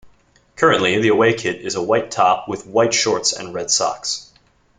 Currently the away kit is a white top with white shorts and red socks.